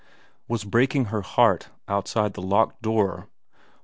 was breaking her heart outside the locked door.